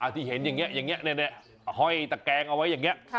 ที่เห็นอย่างนี้อย่างนี้ห้อยตะแกงเอาไว้อย่างนี้